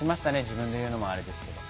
自分で言うのもあれですけど。